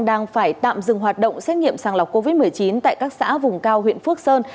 đang phải tạm dừng hoạt động xét nghiệm sàng lọc covid một mươi chín tại các xã vùng cao huyện phước sơn